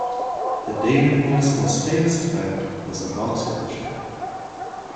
The Davenports' most famous effect was the box illusion.